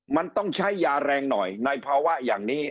มันต้องใช้ยาแรงหน่อยในภาวะอย่างนี้